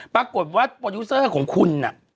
ปรากฏว่าโปรดิวเซอร์ของคุณ